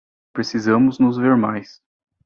Precisamos nos ver mais